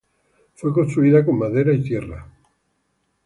Fue construida con madera y tierra.